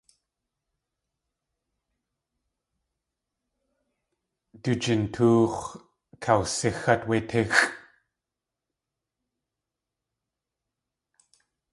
Du jintóox̲ kasixát wé tíxʼ.